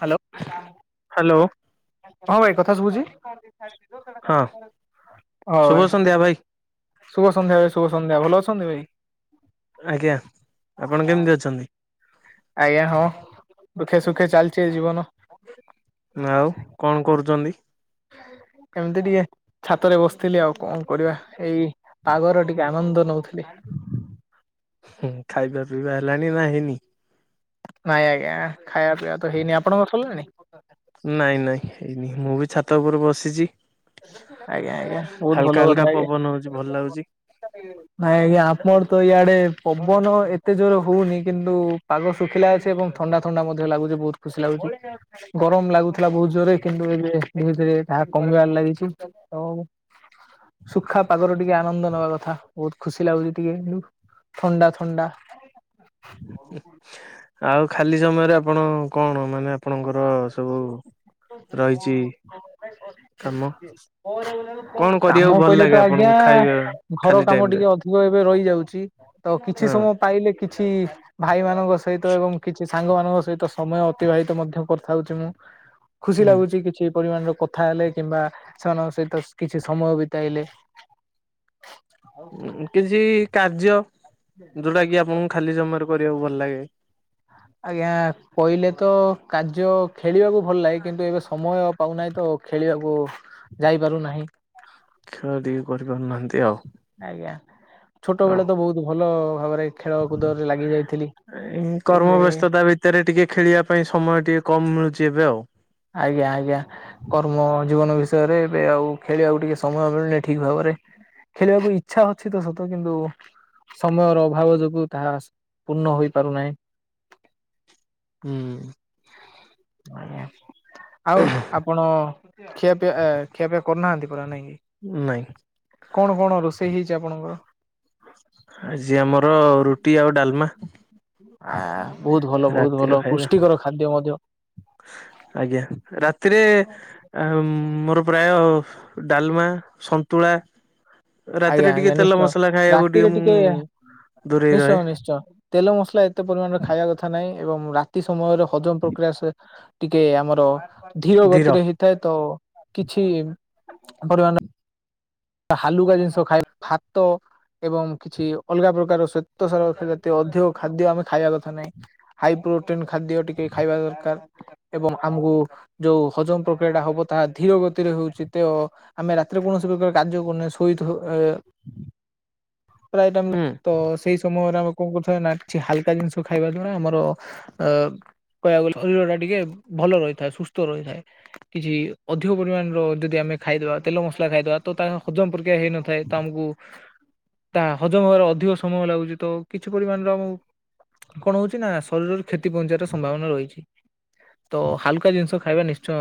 Hello hello ହଁ ଭାଇ କଥା ଶୁଭୁଚି। ହଁ ଶୁଭ ଭାଈ। ସନ୍ଧ୍ୟା ଭାଇ ଶୁଭ ସନ୍ଧ୍ୟା ଭାଇ ଶୁଭ ସନ୍ଧ୍ୟା ଭଲ ଅଛନ୍ତି ଭାଇ। ଆଜ୍ଞା ଆପଣ କେମିତି ଅଛନ୍ତି? ଆଜ୍ଞା ହଁ ଦୁଃଖେ ସୁଖେ ଚାଲିଚି ଏ ଜୀବନ। ଆଉ କଣ କରୁଛନ୍ତି? ଏମିତି ଟିକେ ଛାତରେ ବସିଥିଲି ଆଉ କଣ କରିବା ଏଇ ପାଗର ଟିକେ ଆନନ୍ଦ ନଉଥିଲି। ଖାଇବା ପିଇବା ହେଲାଣି ନା ହେଇନି। ନାଇଁ ଆଜ୍ଞା ଖାଇବା ପିଇବା ତ ହେଇନି ଆପଣଙ୍କ ସରିଲାଣି। ନାଇଁ ନାଇଁ ହେଇନି ମୁଁ ବି ଛାତ ଉପରେ ବସିଛି। ଆଜ୍ଞା ଆଜ୍ଞା ବହୁତ ହାଲକା ଭଲ କଥା ହାଲକା ଆଜ୍ଞା। ପବନ ହଉଛି ଭଲ ଲାଗୁଛି। ନାଇଁ ଆଜ୍ଞା ଆମର ତ ଇଆଡେ ପବନ ଏତେ ଜୋର ହଉନି କିନ୍ତୁ ପାଗ ଶୁଖିଲା ଅଛି ଏବଂ ଥଣ୍ଡା ଥଣ୍ଡା ମଧ୍ୟ ଲାଗୁଛି ବହୁତ ଖୁସି ଲାଗୁଛି। ଗରମ ଲାଗୁଥିଲା ବହୁତ ଜୋରରେ କିନ୍ତୁ ଏବେ ଧୀରେ ଧୀରେ ତାହା କମିବାର ଲାଗିଚି। [inaudible] ସୁଖା ପାଗରୁ ଟିକେ ଆନନ୍ଦ ନେବା କଥା ବହୁତ ଖୁସି ଲାଗୁଛି ଟିକେ ଥଣ୍ଡା ଥଣ୍ଡା। [inaudible] ଆଉ ଖାଲି ସମୟରେ ଆପଣ କଣ ମାନେ ଆପଣଙ୍କର ସବୁ [inaudible] ରହିଛି କାମ କଣ କରିବାକୁ କାମ ଭଲ କହିଲେ ଲାଗେ ତ ଆଜ୍ଞା ଆପଣଙ୍କୁ ଖାଇବା ଘର ଖାଲି କାମ ଟାଇମ ରେ ଟିକେ ଅଧିକ ଏବେ ରହିଯାଉଛି ତ କିଛି ହଁ ସମୟ ପାଇଲେ କିଛି ଭାଇମାନଙ୍କ ସହିତ ଏବଂ କିଛି ସାଙ୍ଗମାନଙ୍କ ସହିତ ସମୟ ଅତିବାହିତ ମଧ୍ୟ କରିଥାଉଛି ମୁଁ ଖୁସି ହୁଁ ଲାଗୁଛି କିଛି ପରିମାଣର କଥା ହେଲେ, କିମ୍ବା ସେମାନଙ୍କ ସହିତ କିଛି ସମୟ ବିତାଇଲେ କିଛି କାର୍ଯ୍ୟ ହୁଁ। ଯୋଉଟା କି ଆପଣଙ୍କୁ ଖାଲି ଜମରେ କରିବାକୁ ଭଲ ଲାଗେ ଆଜ୍ଞା କହିଲେ ତ କାର୍ଯ୍ୟ ଖେଳିବାକୁ ଭଲ ଲାଗେ କିନ୍ତୁ ଏବେ ସମୟ ପାଉନାହିଁ ତ ଖେଳିବାକୁ ଯାଇପାରୁନାହିଁ ଖେଳ ଟିକେ କରିପାରୁନାହାନ୍ତି ଆଉ। ଆଜ୍ଞା ଛୋଟ ଆଉ ବେଳେ ତ ବହୁତ ଭଲ ଭାବରେ ଖେଳ କୁଦରେ ଲାଗି ଯାଇଥିଲି ଏବେ ଭତରେ ଟିକେ ଖେଳିବା ପାଇଁ ସମୟ ଟିକେ କମ୍ ମିଳୁଛି ଏବେ ଆଉ। ଆଜ୍ଞା ଆଜ୍ଞା। କର୍ମ ଜୀବନ ବିଷୟରେ ଏବେ ଆଉ ଖେଳିବାକୁ ଟିକେ ସମୟ ମିଳୁନି ଠିକ ଭାବରେ ଖେଳିବାକୁ ଇଚ୍ଛା ଅଛି ତ ସତ କିନ୍ତୁ ସମୟର ଅଭାବ ଯୋଗୁ ତାହା ପୂର୍ଣ୍ଣ ହୋଇପାରୁନାହିଁ। ହୁଁ। ଆଜ୍ଞା ଆଉ ଆପଣ ଖିଆ ପିଆ ଖିଆପିଆ କରୁନାହାନ୍ତି ପୁରରା ନାଇଁ କିି? ନାଇଁ। କଣ କଣ ରୋଷେଇ ହେଇଛି ଆପଣଙ୍କର? ଆଜି ଆମର ରୁଟି ଆଉ ଡାଲମା। ଆ ବହୁତ ଭଲ, ବହୁତ ରାତିର ଭଲ ଖାଇବା ପୁଷ୍ଟିକର ଖାଦ୍ୟ ମଧ୍ୟ। ଆଜ୍ଞା ରା ତି ରେ ମୋର ପ୍ରାୟ ଡାଲମା, ସନ୍ତୁଳା ଆଜ୍ଞା ରାତିରେ ଟିକେ ଆଜ୍ଞା ତେଲ ନିଶ୍ଚୟ ମସଲା ଖାଇବାକୁ ରାତିରେ ଟିକେ ମୁଁ ଦୂରେଇ ନିଶ୍ଚୟ ରହେ। ନିଶ୍ଚୟ ତେଲ ମସଲା ଏତେ ପରିମାଣରେ ଖାଇବା କଥା ନହିଁ ଏବଂ ରାତି ସମୟରେ ହଜମ ପ୍ରକ୍ରିୟା ଟିକେ ଆମର ଧୀର ଗତିରେ ହେଇଥାଏ ତ କିଛି ପରିମାଣ ହାଲୁକା ଜିନିଷ ଖଏ ଭାତ ଏବଂ କିଛି ଅଲଗା ପ୍ରକାର ସ୍ୱେତସାର ଜାତୀୟ ଅଧିକ ଖାଦ୍ୟ ଆମେ ଖାଇବା କଥା ନାହିଁ ହାଇ ପ୍ରୋଟିନ ଖାଦ୍ୟ ଟିକେ ଖାଇବା ଦରକାର ଏବଂ ଆମକୁ ଯୋଉ ହଜମ ପ୍ରକ୍ରିୟା ଟା ହବ ତାହା ଧୀର ଗତିରେ ହଉଛି ତ ଆମେ ରାତିରେ କୌଣସି ପ୍ରକାର କାର୍ଯ୍ୟ ସହି ପ୍ର ହୁଁ ତ ସେ ସମୟରେ ଆମେ କଣ କରୁ ନା ହାଲକା ଜିନିଷ ଖାଇବା ଦ୍ଵାରା ଆମର ଅ କହିବାକୁ ଗଲେ ଶରୀର ଟା ଟିକେ ଭଲ ରହିଥାଏ ସୁସ୍ଥ ରହିଥାଏ। କିଛି ଅଧିକ ପରିମାଣର ଯଦି ଆମେ ଖାଇଦବା ତେଲ ମସଲା ଖାଇଦବା ତ ତାଙ୍କ ହଜମ ପ୍ରକ୍ରିୟା ହେଇନଥାଏ ତ ଆମକୁ ତା ହଜମ ହବାରେ ଅଧିକ ସମୟ ଲାଗୁଛି ତ କିଛି ପରିମାଣରେ ଆମକୁ କଣ ହଉଛି ନାଁ ଶରୀରରେ କ୍ଷେତି ପହଞ୍ଚିବାର ସମ୍ଭାବନା ରହିଛି। ତ ହାଲୁକା ଜିନିଷ ଖାଇବା ନିଶ୍ଚୟ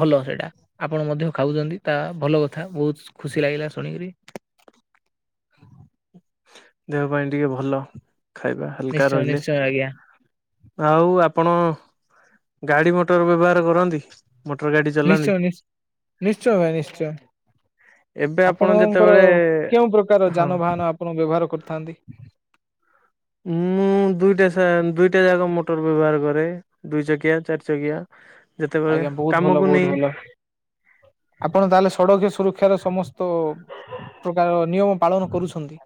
ଭଲ ସେଇଟା ଆପଣ ମଧ୍ୟ୍ୟ ଖାଉଛନ୍ତି ତା ଭଲ କଥା ବହୁତ ଖୁସି ଲାଗିଲା ଶୁଣିକରି। ଦେହ ପାଇଁ ଟିକେ ଭଲ ଖାଇବା ହାଲକା ନିଶ୍ଚୟ ରହିଲେ। ନିଶ୍ଚୟ ଆଜ୍ଞା ଆଉ ଆପଣ ଗାଡି ମଟର ବ୍ୟବହାର କରନ୍ତି। ମଟର ଗାଡି ଚଲାନ୍ତି ନିଶ୍ଚୟ ନି ନିଶ୍ଚୟ ଭାଇ ନିଶ୍ଚୟ। ଏବେ ଆପଣ ଆପଣଙ୍କର ଯେତେବେଳେ କେଉଁ ପ୍ରକାର ହଁ ଯାନବାହାନ ଆପଣ ବ୍ୟବହାର କରିଥାନ୍ତି? ମୁଁ ଦୁଇଟା ଦୁଇଟା ଯାକ ମଟର ବ୍ୟବହାର କରେ। ଦୁଇ ଚାକିଆ ଚାରି ଚାକିଆ ଆଜ୍ଞା ଯେତେବେଳେ ବହୁତ ଭଲ କାମକୁ ବହୁତ ନେଇ ଭଲ ଆପଣ ତାହେଲେ ସଡ଼କ ସୁରକ୍ଷାର ସମସ୍ତ ପ୍ରକାର ନିୟମ ପାଳନ କରୁଛନ୍ତି।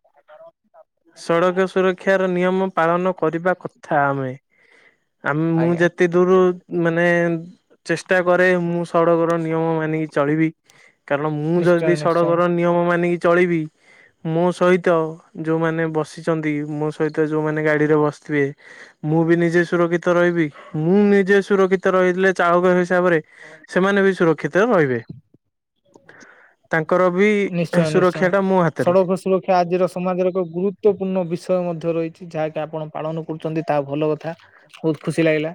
ସଡ଼କ ସୁରକ୍ଷାର ନିୟମ ପାଳନ କରିବା କଥା ଆମେ। ଆମେ ମୁଁ ଆଜ୍ଞା ଯେତେ ଦୂରୁ ମାନେ ଚେଷ୍ଟା କରେ ମୁଁ ସଡ଼କର ନିୟମ ମାନିକି ଚଳିବି। କାରଣ ମୁଁ ନିଶ୍ଚୟ ଯଦି ସଡ଼କ ନିଶ୍ଚୟ ର ନିୟମ ମାନିକି ଚଳିବି ମୋ ସହିତ ଯୋଉ ମାନେ ବସିଛନ୍ତି ମୋ ସହିତ ଯୋଉ ମାନେ ଗାଡ଼ି ରେ ବସିଥିବେ ମୁଁ ବି ନିଜେ ସୁରକ୍ଷିତ ରହିବି ମୁଁ ନିଜେ ସୁରକ୍ଷିତ ରହିଲେ ଚାହୁକ ହିସାବରେ ସେମାନେ ବି ସୁରକ୍ଷିତ ରହିବେ। ତାଙ୍କର ବି ନିଶ୍ଚୟ ନିଶ୍ଚୟ। ସୁରକ୍ଷା ଟା ମୋ ହାତରେ। ସଡ଼କ ସୁରକ୍ଷା ଆଜିର ସମାଜର ଏକ ଗୁରୁତ୍ୱପୂର୍ଣ୍ଣ ବିଷୟ ମଧ୍ୟ୍ୟ ରହିଛି। ଯାହାକି ଆପଣ ପାଳନ କରୁଛନ୍ତି ତାହା ଭଲ କଥା ବହୁତ ଖୁସି ଲାଗିଲା।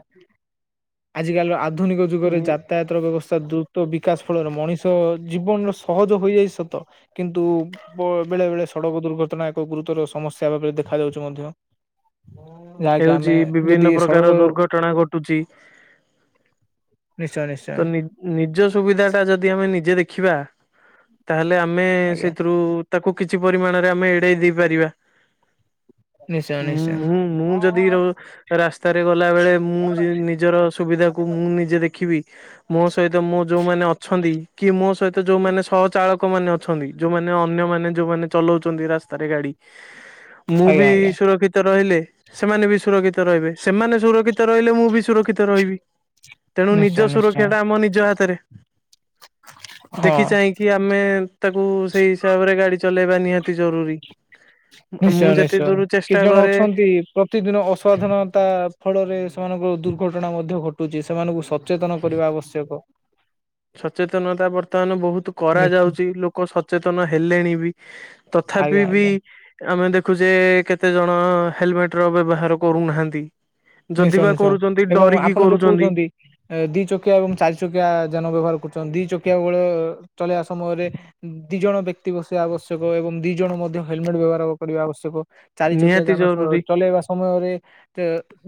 ଆଜିି କାଲିର ଆ ଆଧୁନିକ ଯୁଗରେ ନି ଯାତାୟାତର ବ୍ୟବସ୍ଥା ଦ୍ରୁତ ବିକାଶ ଫଳରେ ମଣିଷ ଜୀବନର ସହଜ ହୋଇଯାଇଛି। ହଁ ତ କିନ୍ତୁ ବେଳେ-ବେଳେ ସଡ଼କ ଦୁର୍ଘଟଣା ଏକ ଗୁରୁତର ସମସ୍ୟା ଭାବରେ ଦେଖାଯାଉଛି ମଧ୍ୟ୍ୟ। ହେଉଛି ଯଦି ବିଭିନ୍ନ ସଡ଼କ ପ୍ରକାର ଦୁର୍ଘଟଣା ଘଟୁଛି। ନିଶ୍ଚୟ-ନିଶ୍ଚୟ। ତ ନିଜ ସୁବିଧା ଟା ଯଦି ଆମେ ନିଜେ ଦେଖିବା ତା ହେଲେ ଆମେ ଆଜ୍ଞା ସେଥିରୁ ତାକୁ କିଛି ପରିମାଣରେ ଆମେ ଏଡେଇ ଦେଇ ପାରିବା। ନିଶ୍ଚୟ ମୁଁ ନିଶ୍ଚୟ ମୁଁ ମୁଁ ଯଦି ରାସ୍ତାରେ ଗଲା ବେଳେ ମୁଁ ନିଜର ସୁବିଧାକୁ ମୁଁ ନିଜେ ଦେଖିବି ମୋ ସହିତ ମୁଁ ଯୋଉମାନେ ଅଛନ୍ତି କି ମୋ ସହିତ ଯୋଉମାନେ ସହ ଚାଳକ ଲୋକ ମାନେ ଅଛନ୍ତି ଯୋଉମାନେ ଅନ୍ୟମାନେ ଯୋଉମାନେ ଚଲାଉଛନ୍ତି ରାସ୍ତାରେ ଗାଡ଼ି। ମୁଁ ଆଜ୍ଞା ବି ଆଜ୍ଞା ସୁରକ୍ଷିତ ରହିଲେ ସେମାନେ ବି ସୁରକ୍ଷିତ ରହିବେ ସେମାନେ ସୁରକ୍ଷିତ ସୁରକ୍ଷିତ ରହିଲେ ମୁଁ ବି ସୁରକ୍ଷିତ ରହିବି ତେଣୁ ନିଶ୍ଚୟ ନିଜ ନିଶ୍ଚୟ ତମ ନିଜ ହାତରେ ହଁ ଦେଖି ଚାହିଁ କି ଆମେ ତାକୁ ସେଇ ହିସାବରେ ଗାଡ଼ି ଚଲେଇବା ନିହାତି ଜରୁରୀ। ମୁଁ ଯେତେ ନିଶ୍ଚୟ-ନିଶ୍ଚୟ ଦୂର କିଛି ଚେଷ୍ଟା ଜଣ କରେ ଅଛନ୍ତି ପ୍ରତିଦିନ ଅସାଧରଣ ତା ଫଳରେ ସେମାନଙ୍କର ଦୁର୍ଘଟଣା ମଧ୍ୟ୍ୟ ଘଟୁଛି ସେମାନଙ୍କୁ ସ ସଚେତନ୍ କରିବା ଆବଶ୍ୟକ। ସଚେତନତା ବର୍ତ୍ତମାନ୍ ବହୁତ ନିଶ୍ଚୟ କରାଯାଉଛି ଲୋକ ସଚେତନ୍ ହେଲେଣି ବି। ତଥାପି ଆଜ୍ଞା ବି ଆଜ୍ଞା ଆମେ ଦେଖୁଛେ କେତେ ଜଣ ହେଲମେଟ୍ ର ବ୍ୟବହାର କରୁନାହାଁନ୍ତି। ନିଶ୍ଚୟ ନିଶ୍ଚୟ ଏବଂ ଆପଣ ଯୋଉ କରୁଛନ୍ତି କହୁଛନ୍ତି। ଦି ଚକିଆ ଏବଂ ଚାରି ଚକିଆ ଯାନ ବ୍ୟବହାର କରୁଛନ୍ତି ଦି ଚକିଆ ବେଳ ଚଳେଇବା ସମୟରେ ଦି ଜଣ ବ୍ୟକ୍ତି ବସିବା ଆବଶ୍ୟକ ଏବଂ ଦି ଜଣ ମଧ୍ୟ୍ୟ ହେଲମେଟ୍ ବ୍ୟବହାର କରିବା ଆବଶ୍ୟକ। ଚାରି ଚକିଆ ନିହାତି ଯାନ ଚ ଜରୁରୀ ଚଲେଇବା ସମୟରେ ଯେ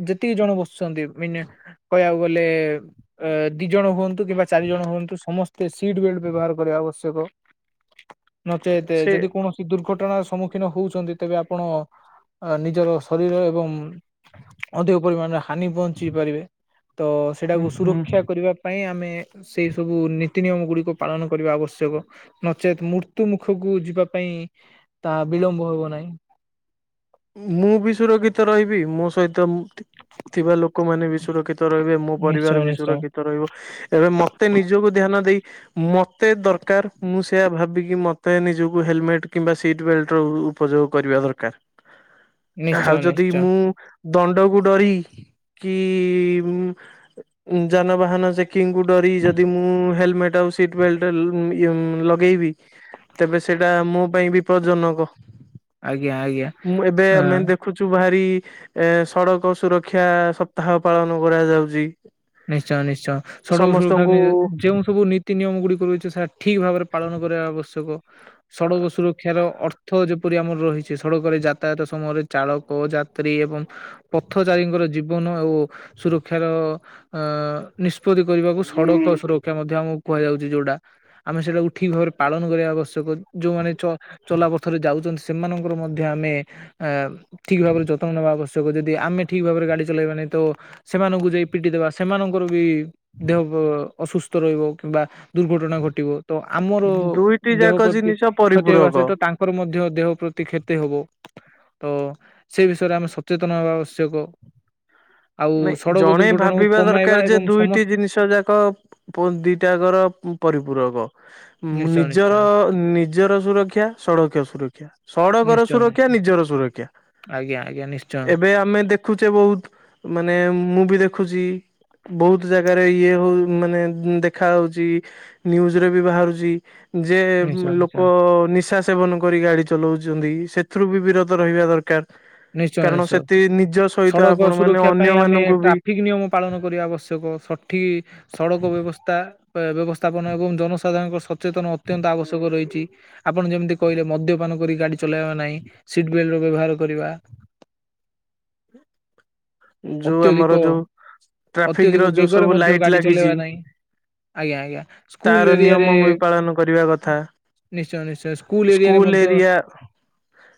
ଯେତିକି ଜଣ ବସୁଛନ୍ତି ମି କହିବାକୁ ଗଲେ ଏ ଦି ଜଣ ହୁଅନ୍ତୁ କିମ୍ବା ଚାରି ଜଣ ହୁଅନ୍ତୁ ସମସ୍ତେ ସିଟ୍ ବେଲ୍ଟ ବ୍ୟବହାର କରିବା ଆବଶ୍ୟକ। ନଚେତ୍ ସେ ଯଦି କୌଣସି ଦୁର୍ଘଟଣାର ସମ୍ମୁଖୀନ୍ ହଉଛନ୍ତି, ତେବେ ଆପଣ ନିଜର ଶରୀର ଏବଂ ହଁ ଅଧିକ ପରିମାଣରେ ହାନି ପହଞ୍ଚି ପାରିବେ। ତ ସେଟାକୁ ହୁଁ ସୁରକ୍ଷା କରିବା ପାଇଁ ଆମେ ସେଇ ସବୁ ନୀତି ନିିୟମ ଗୁଡ଼ିକ ପାଳନ କରିବା ଆବଶ୍ୟକ। ନଚେତ୍ ମୃତ୍ୟୁ ମୁଖକୁ ଯିବା ପାଇଁ ତାହା ବିଳମ୍ବ ହେବ ନାହିଁ। ମୁଁ ବି ସୁରକ୍ଷିତ ରହିବି, ମୋ ସହିତ ଥିବା ଲୋକମାନେ ବି ସୁରକ୍ଷିତ ରହିବେ। ମୋ ନିଶ୍ଚୟ ପରିବାର ବି ନିଶ୍ଚୟ ସୁରକ୍ଷିତ ତ ରହିବ। ଏବେ ମତେ ନିଜକୁ ଧ୍ୟାନ ଦେଇ ମତେ ଦରକାର୍ ମୁଁ ସେଇଆ ଭାବିକି ମତେ ନିଜକୁ ହେଲମେଟ୍ କିମ୍ବା ସିଟ୍ ବେଲଟ୍ ହଉ ଉପଯୋଗ କରିବା ଦରକାର। ଆଉ ନିଶ୍ଚୟ ଯଦି ନିଶ୍ଚୟ ମୁଁ ଦଣ୍ଡକୁ ଡରିକି କି ଯାନବାହାନ ଚେକିଂ କୁ ଡରିକି ଯଦି ମୁଁ ହେଲମେଟ ଆଉ ସିଟ ବେଲଟ ଲ ଇଏ ଲ ଗେଇବି, ତେବେ ସେଇଟା ମୋ ପାଇଁ ବିପଦଜନକ। ଆଜ୍ଞା -ଆଜ୍ଞା। ମୁଁ ଏବେ ହଁ। ଆମେ ଦେଖ ଦେଖୁଚୁ ଭାରି ଏ ସଡକ ସୁରକ୍ଷା ସପ୍ତାହ ପାଳନ କରାଯାଉଚି। ନିଶ୍ଚୟ -ନିଶ୍ଚୟ ସଡ଼କ ସୁରକ୍ଷା ନି ଯେଉଁ ସବୁ ନୀତି ନିୟମ ଗୁଡିକ ରହିଛି ସେ ଠିକ ଭାବରେ ପାଳନ କରିବା ଆବଶ୍ୟକ। ସଡ଼କ ସୁରକ୍ଷାର ଅର୍ଥ ଥ ଯେପରି ଆମର ରହିଛି ସଡକରେ ଯାତାୟାତ ସମୟରେ ଚାଳକ ଯାତ୍ରୀ ଏବଂ ପଥଚାରୀଙ୍କର ଜୀବନ ଆଉ ସୁରକ୍ଷାର ଅଁ ନିଷ୍ପତ୍ତି କରିବାକୁ ସଡ଼କ ସୁରକ୍ଷା ମଧ୍ୟ ଆମକୁ କୁହାଯାଉଚି। ଯଉଟା ଆମେ ସେଇଟାକୁ ଠିକ ଭାବରେ ପାଳନ କରିବା ଆବଶ୍ୟକ। ଯୋଉମାନେ ଚ ଚଲାପଥରେ ଯାଉଚନ୍ତି, ସେମାନଙ୍କର ମଧ୍ୟ ଆମେ ଅ ଠିକ ଭାବରେ ଯତ୍ନ ନବା ଆବଶ୍ୟକ। ଯଦି ଆମେ ଠିକ ଭାବରେ ଗାଡି ଚଳେଇବାନି ତ ସେମାନଙ୍କୁ ଯାଇ ପିଟି ଦେବା ସେମାନଙ୍କର ବି ଦେହ ଅସୁସ୍ଥ ରହିବ କିମ୍ବା ଦୁର୍ଘଟଣା ଘଟିବ। ତ ଆମର ଦୁଇଟି ଦେହ ଯାକ ପ୍ରତି ଜିନିଷ କ୍ଷତି ହେବା ପରିପୂରକ ସହିତ ତାଙ୍କ ର ମଧ୍ୟ ଦେହ ପ୍ରତି କ୍ଷତି ହବ। ତ ସେ ବିଷୟରେ ଆମେ ସଚେତନ ହେବା ଆବଶ୍ୟକ। ଆଉ ନାଇଁ ସଡ଼କ ଜଣେ ଦୁର୍ଘଟଣାକୁ ଭାବିବା କମାଇବା ଦରକାର ଯେ ଏବଂ ଦୁଇଟି ସମସ୍ତ ଜିନିଷ ଯାକ ପ ଦିଟାକର ପରିପୂରକ ନିଶ୍ଚୟ ନିଶ୍ଚୟ ନିଜର- ନିଜର ସୁରକ୍ଷା ସଡ଼କୀୟ ସୁରକ୍ଷା। ସଡ଼କର ନିଶ୍ଚୟ ସୁରକ୍ଷା ନିଶ୍ଚୟ ନିଜର ସୁରକ୍ଷା। ଆଜ୍ଞା ଆଜ୍ଞା ନିଶ୍ଚୟ ଏବେ ଆମେ ଦେଖୁଚେ ବହୁତ ମାନେ ମୁଁ ବି ଦେଖୁଚି। ବହୁତ ଜାଗାରେ ଇଏ ହଉ ମାନେ ଦେଖା ଯାଉଚି। ନ୍ୟୁଜ ରେ ବି ବାହାରୁଚି। ଯେ ନିଶ୍ଚୟ ନିଶ୍ଚୟ ଲୋକ ନିଶା ସେବନ କରି ଗାଡି ଚଲଉଚନ୍ତି। ସେଥିରୁ ବି ବିରତ ରହିବା ଦରକାର। ନିଶ୍ଚୟ କାରଣ ନିଶ୍ଚୟ ସେଠି ନିଜ ସହିତ ସଡ଼କ ଆପଣ ମାନେ ସୁରକ୍ଷା ଅନ୍ୟ ପାଇଁ ଆମେ ମାନଙ୍କୁ ବି ଟ୍ରାଫିକ୍ ନିୟମ ପାଳନ କରିବା ଆବଶ୍ୟକ। ସଠିକ ସଡ଼କ ବ୍ୟବସ୍ଥା ବ୍ୟବସ୍ଥାପନ ଏବଂ ଜନସାଧାରଣଙ୍କ ସଚେତନ ଅତ୍ୟନ୍ତ ଆବଶ୍ୟକ ରହିଚି। ଆପଣ ଯେମିତି କହିଲେ ମଦ୍ୟପାନ କରି ଗାଡି ଚଲେଇବା ନାହିଁ। ସିଟ ବେଲଟ ର ବ୍ୟବହାର କରିବା। ଯୋଉ ଆମର ଅତ୍ୟଧିକ- ଯୋଉ ଟ୍ରାଫିକ ର ଅତ୍ୟଧିକ ଯୋଉ ବେଗରେ ସବୁ ମଧ୍ୟ ଲାଇଟ୍ ଗାଡି ଲାଗିଛି ଚଲେଇବା ନାହିଁ। ଆଜ୍ଞା-ଆଜ୍ଞା ସ୍କୁଲ ତାର ନିୟମ ଏରିଆରେ ବି ପାଳନ କରିବା କଥା। ନିଶ୍ଚୟ-ନିଶ୍ଚୟ ସ୍କୁଲ ଏରିଆରେ ମଧ୍ୟ।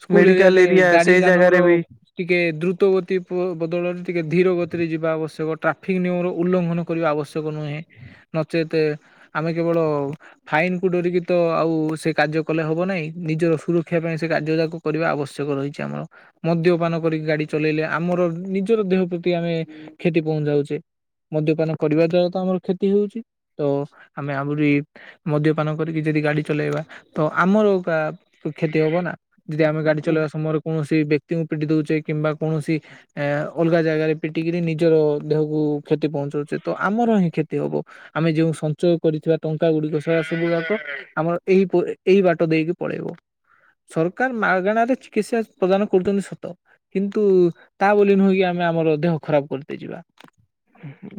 ସ୍କୁଲ ଏରିଆ ମେଡିକାଲ ରେ ଗାଡି ସେଇ ଯାନର ଜାଗାରେ ବି ଟିକେ ଦ୍ରୁତ ଗତି ପ ବଦ ଟିକେ ଧୀର ଗତିରେ ଯିବା ଆବଶ୍ୟକ ଟ୍ରାଫିକ୍ ନିୟମର ଉଲ୍ଲଂଘନ କରିବା ଆବଶ୍ୟକ ନୁହେଁ। ନଚେତ୍ ଆମେ କେବଳ ଫାଇନକୁୁ ଡରିକି ତ ଆଉ ସେ କାର୍ଯ୍ୟ କଲେ ହବ ନାହିଁ ନିଜର ସୁରକ୍ଷା ପାଇଁ ସେ କାର୍ଯ୍ୟ ଯାକ କରିବା ଆବଶ୍ୟକ ରହିଚି ଆମର ମଦ୍ୟପାନ କରିକି ଗାଡି ଚଲେଇଲେ ଆମର ନି ଜର ଦେହ ପ୍ରତି ଆମେ କ୍ଷତି ପହଁଚାଉଚେ। ମଦ୍ୟପାନ କରିବା ଦ୍ଵାରା ତ ଆମର କ୍ଷତି ହଉଚି ତ ଆମେ ଆହୁରି ମଦ୍ୟପାନ କରିକି ଯଦି ଗାଡି ଚଲେଇବା ତ ଆମର ପା କ୍ଷତି ହବ ନା। ଯଦି ଆମେ ଗାଡି ଚଲେଇବା ସମୟରେ କୌଣସି ବ୍ୟକ୍ତିଙ୍କୁ ପିଟି ଦଉଚେ କିମ୍ବା କୌଣସି ଏ ଅଲଗା ଜାଗାରେ ପିଟିକିରି ନିଜର ଦେହକୁ କ୍ଷତି ପହଞ୍ଚାଉଛି ତ ଆମର ହିଁ କ୍ଷତି ହେବ। ଆମେ ଯୋଉ ସଞ୍ଚୟ କରିଥିବା ଟଙ୍କା ଗୁଡିକ ସା ସବୁ ଯାକ ଆମର ଏହି ପୁ ଏଇ ବାଟ ଦେଇକି ପଳେଇବ। ସରକାର ମାଗଣରେ ଚିକିତ୍ସା ପ୍ରଦାନ କରୁଛନ୍ତି ସତ କିନ୍ତୁ ତା ବୋଲି ନୁହେଁ କି ଆ କିମା ଆମର ଦେହ ଖରାପ କରିଦେଇ ଯିବା।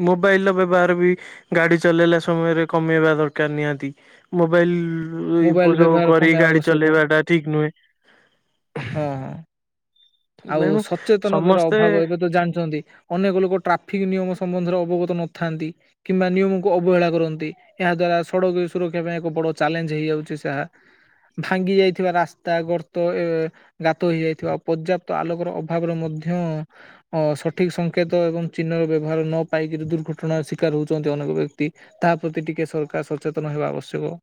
ମୋବାଇଲର ବ୍ୟବହାର ବି ଗାଡି ଚଲେଇଲା ସମୟରେ କମେଇବା ଦରକାର ନିହାତି। ମୋବାଇଲ୍ ହୁଁ ମୋବାଇଲ ଉପଯୋଗ ବ୍ୟବହାର କରି କମେଇବା ଗାଡି ଆବଶ୍ୟକ ଚଲେଇବା ଟା ଠିକ ନୁହେଁ। ହଁ ହଁ। ଆଉ ତେଣୁ ସଚେତନତାର ସମସ୍ତେ ଅଭାବ ଏବେ ତ ଜାଣିଛନ୍ତି ଅନେକ ଲୋକ ଟ୍ରାଫିକ ନିୟମ ସମ୍ବନ୍ଧରେ ଅବଗତ ନଥାନ୍ତି କିମ୍ବା ନିୟମକୁ ଅବହେଳା କରନ୍ତି। ଏହା ଦ୍ଵାରା ସଡ଼କ ସୁରକ୍ଷା ପାଇଁ ଏକ ବଡ ଚ୍ୟାଲେଞ୍ଜ୍ ହେଇଯାଉଚି ସା ଭାଙ୍ଗି ଯାଇଥିବା ରାସ୍ତା, ଗର୍ତ୍ତ, ଅ ଗାତ ହେଇଯାଇଥିବା ପର୍ଯ୍ୟାପ୍ତ ତ ଆଲୋକର ଅଭାବରେ ମଧ୍ୟ ଅ ସଠିକ୍ ସ ଙ୍କେତ ଏବଂ ଚିହ୍ନର ବ୍ୟବହାର ନ ପାଇକିରି ଦୁର୍ଘଟଣାର ଶିକାର ହେଉଚନ୍ତି ଅନେକ ବ୍ୟକ୍ତି। ତା ପ୍ରତି ଟିକେ ସରକାର ସଚେତନ ହେବା ଆବଶ୍ୟକ।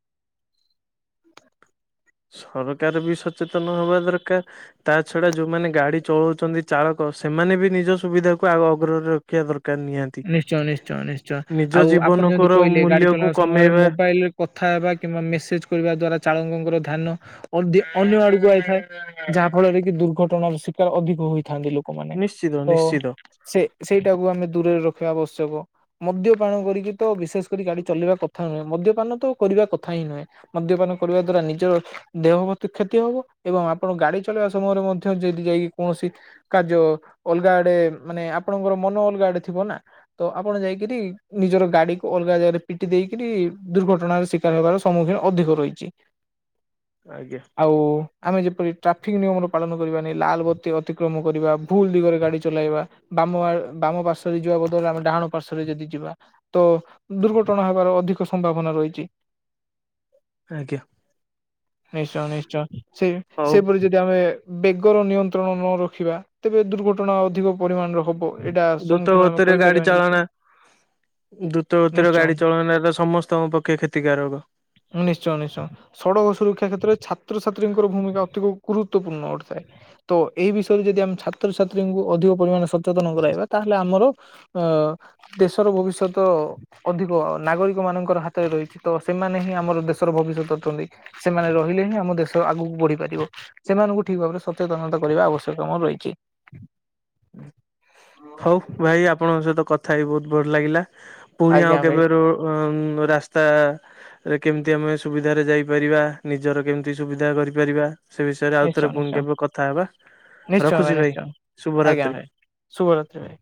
ସରକାର ବି ସଚେତନ ହବା ଦରକାର। ତା ଛଡା ଯୋଉମାନେ ଗାଡି ଚଳଉଛନ୍ତି ଚାଳକ ସେମାନେ ବି ନିଜ ସୁବିଧାକୁ ଆଗ ଅଗ୍ରରେ ରଖିବା ଦରକାର ନିହାତି। ନିଶ୍ଚୟ ନିଶ୍ଚୟ ନିଶ୍ଚୟ, ନିଜ ଆଉ ଆପଣ ଯେମିତି ଜୀବନକର କହିଲେ, ଗାଡି ମୂଲ୍ୟକୁ ଚଳେଇବା ସମୟରେ କମେଇବା ମୋବାଇଲ୍ ରେ କଥା ହେବା କିମ୍ବା ମେସେଜ କରିବା ଦ୍ଵାରା ଚାଳକଙ୍କର ଧ୍ୟାନ ଅ ଅନ୍ୟ ଆଡକୁ ଆଇଥାଏ। ଯାହା ଫଳରେ କି ଦୁର୍ଘଟଣାର ଶିକାର ଅଧିକ ହୋଇଥାନ୍ତି ଲୋ ଲୋକମାନେ ନିଶ୍ଚିତ ତ ନିଶ୍ଚିତ। ସେ ସେଇଟାକୁ ଆମେ ଦୂରରେ ରଖିବା ଆବଶ୍ୟକ। ମଦ୍ୟପାନ କରିକି ତ ବିଶେଷ କରି ଗାଡି ଚଲେଇବା କଥା ନୁହେଁ, ମଦ୍ୟପାନ ତ କରିବା କଥା ହିଁ ନୁହେଁ। ମଦ୍ୟପାନ କରିବା ଦ୍ଵାରା ନିଜର ଦେହ ପ୍ରତି କ୍ଷତି ହବ ଏବଂ ଆପଣ ଗାଡି ଚଳେଇବା ସମୟରେ ମଧ୍ୟ ଯଦି ଯାଇକି କୌଣସି କାର୍ଯ୍ୟ ଅଲଗା ଆଡେ, ମାନେ ଆପଣଙ୍କର ମନ ଅଲଗା ଆଡେ ଥିବ ନା? ତ ଆପଣ ଯାଇକିରି ନିଜର ଗାଡି କୁ ଅଲଗା ଜାଗାରେ ପିଟି ଦେଇକରି ଦୁର୍ଘଟଣାର ଶି [inaudible] ହେବାର ସମ୍ମୁଖୀନ ଅଧିକ ରହିଛି। ଆଜ୍ଞା। ଆଉ ଆମେ ଯେପରି ଟ୍ରାଫିକ୍ ନିୟମର ପାଳନ କରିବାନି, ଲାଲ୍ ବତି ଅତିକ୍ରମ କରିବା, ଭୁଲ୍ ଦିଗରେ ଗାଡ଼ି ଚଲାଇବା ବାମ ଆ, ବାମ ପାର୍ଶ୍ୱରେ ଯିବା ବ ହେଲେ ଆମେ ଡାହାଣ ପାର୍ଶରେ ଯଦି ଯିବା ତ ଦୁର୍ଘଟଣା ହେବାର ଅଧିକ ସମ୍ଭାବନା ରହିଛି। [inaudible] ନିଶ୍ଚୟ ନିଶ୍ଚୟ ସେ ହଉ ସେପରି ଯଦି ଆମେ ବେଗର ନିୟନ୍ତ୍ରଣ ନ ରଖିବା ତେବେ ଦୁର୍ଘଟଣା ଅଧିକ ପରିମାଣରେ ହବ ଏଇଟା ସମ୍ମୁଖୀନ ଆମେ ଗାଡ଼ି କହିପାରିବାନି କିଛି ଚଳାନା। ଦ୍ରୁତ ଗତରେ ନିଶ୍ଚୟ। ଗାଡି ଚଳନ ତ ସମସ୍ତଙ୍କ ପକ୍ଷେ କ୍ଷତିକାରକ। ହୁଁ ନିଶ୍ଚୟ ନିଶ୍ଚୟ। ସଡ଼କ ସୁରକ୍ଷା କ୍ଷେତ୍ରରେ ଛାତ୍ରଛାତ୍ରୀଙ୍କର ଭୂମିକା ଅତି ଗୁରୁତ୍ୱପୂର୍ଣ୍ଣ ଘଟିଥାଏ। ତ ଏଇ ବିଷୟରେ ଯଦି ଆମେ ଛାତ୍ରଛାତ୍ରୀଙ୍କୁ ଅଧିକ ପରିମାଣେ ସଚେତନ କରାଇବା ତାହେଲେ ଆମର ଅ ଦେଶର ଭବିଷ୍ୟତ। ଅଧିକ ନାଗରିକ ମାନଙ୍କର ହାତରେ ରହିଛି ତ ସେମାନେ ହିଁ ଆମର ଦେଶର ଭବିଷ୍ୟତ ଅଛନ୍ତି। ସେମାନେ ରହିଲେ ହିଁ ଆମ ଦେଶ ଆଗକୁ ବଢିପାରିବ। ସେମାନଙ୍କୁ ଠିକ୍ ଭାବରେ ସଚେତନତା କରିବା ଆବଶ୍ୟକାମ ରହିଛି। ହଉ ଭାଇ ଆପଣଙ୍କ ସହିତ କଥା ହେଇକି ବହୁତ୍ ଭଲ ଲାଗିଲା। ପୁଣି ଆଜ୍ଞା ଆଉ ଭାଇ କେବେ ର ରାସ୍ତା କେମିତି ଆମେ ସୁବିଧାରେ ଯାଇପାରିବା ନିଜର କେମିତି ସୁବିଧା କରିପାରିବା। ସେ ବିଷୟରେ ନିଶ୍ଚୟ ଆଉଥରେ ପୁଣି ନିଶ୍ଚୟ କେବେ କଥା ହେବା ନିଶ୍ଚୟ ରଖୁଛି ଭାଇ ନିଶ୍ଚୟ ଶୁଭରାତ୍ରି। ଆଜ୍ଞା ଭାଇ ଶୁଭରାତ୍ରି ଭାଇ।